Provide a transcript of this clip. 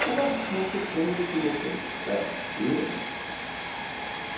そこがもう一つ、今後注目点であると思います。